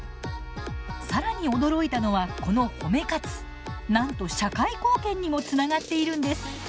更に驚いたのはこの褒め活なんと社会貢献にもつながっているんです。